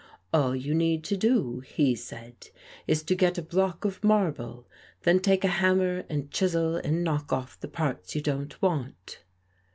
"All you need to do," he said, "is to get a block of marble, then take a hammer and chisel, and knock off the parts you don't want."